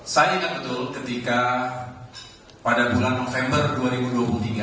saya ingat betul ketika pada bulan november dua ribu dua puluh tiga